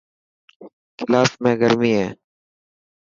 ڪلاس ۾ گرمي هي.